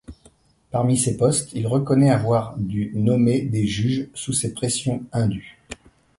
Parmi ces postes, il reconnaît avoir dû nommer des juges sous ces pressions indues.